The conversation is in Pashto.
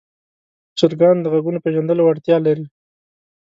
چرګان د غږونو پېژندلو وړتیا لري.